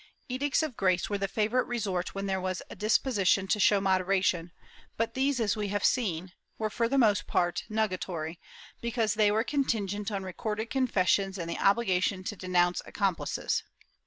II] VALENCIA 371 Edicts of Grace were the favorite resort when there was a dispo sition to show moderation, but these, as we have seen, were, for the most part, nugatory, because they were contingent on recorded confessions and the obligation to denounce accomplices.